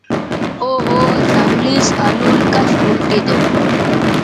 او ہو او زنگلئ سو الول کش اُلٹید